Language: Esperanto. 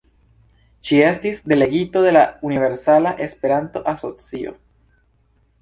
Ŝi estis delegito de la Universala Esperanto-Asocio.